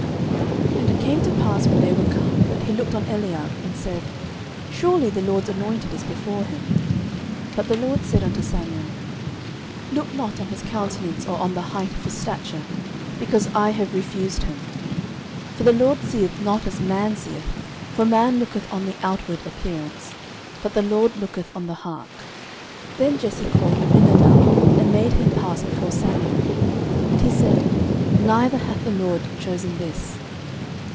09:016:006 And it came to pass, when they were come, that he looked on Eliab, and said, Surely the LORD's anointed is before him. 09:016:007 But the LORD said unto Samuel, Look not on his countenance, or on the height of his stature; because I have refused him: for the LORD seeth not as man seeth; for man looketh on the outward appearance, but the LORD looketh on the heart. 09:016:008 Then Jesse called Abinadab, and made him pass before Samuel. And he said, Neither hath the LORD chosen this.